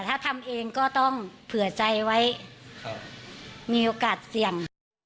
ถ้าทำเองก็ต้องเผื่อใจไว้มีโอกาสเสี่ยง